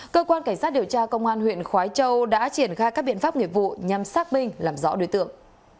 cơ quan cảnh sát điều tra công an huyện khói châu đã triển khai các biện pháp nghiệp vụ nhằm xác minh làm rõ đối tượng